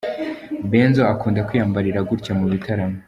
Benzo akunda kwiyambarira gutya mu bitaramo.